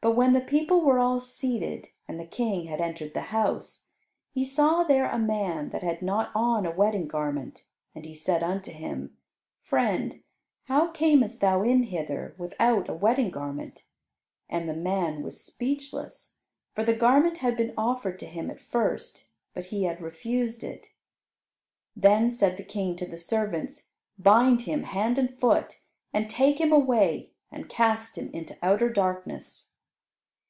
But when the people were all seated, and the King had entered the house, he saw there a man that had not on a wedding garment, and he said unto him, "Friend, how camest thou in hither without a wedding garment?" And the man was speechless, for the garment had been offered to him at first, but he had refused it. Then said the King to the servants, "Bind him hand and foot, and take him away and cast him into outer darkness."